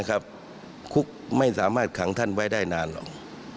คุกไม่สามารถขังท่านไว้ได้นานหรอก